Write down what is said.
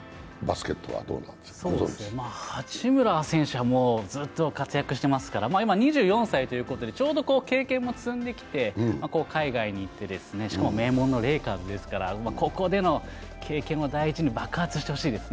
八村選手はずっと活躍してますから、今２４歳ということで、ちょうど経験も積んできて、海外に行って、しかも名門のレイカーズですからここでの経験を大事に爆発してほしいですね。